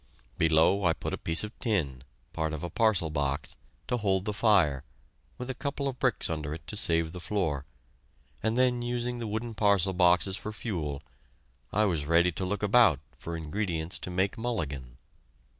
Below, I put a piece of tin part of a parcel box to hold the fire, with a couple of bricks under it to save the floor, and then, using the wooden parcel boxes for fuel, I was ready to look about for ingredients to make "mulligan."